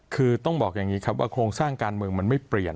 คือต้องบอกอย่างนี้ครับว่าโครงสร้างการเมืองมันไม่เปลี่ยน